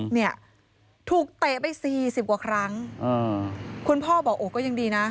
เนี่ยถูกเตะไปสี่สิบกว่าครั้งคุณพ่อบอกโอ้ก็ยังดีนะ